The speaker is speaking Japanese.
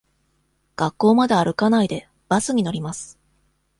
学校まで歩かないで、バスに乗ります。